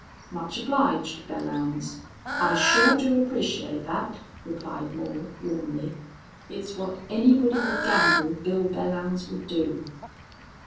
"Much obliged, Belllounds. I sure do appreciate that," replied Moore, warmly. "It's what anybody'd gamble Bill Belllounds would do."